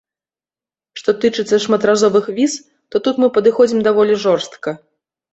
Што тычыцца шматразовых віз, то тут мы падыходзім даволі жорстка.